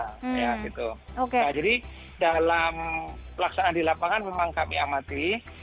nah jadi dalam pelaksanaan di lapangan memang kami amati